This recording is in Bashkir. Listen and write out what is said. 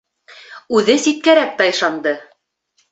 Үҙе ситкәрәк тайшанды.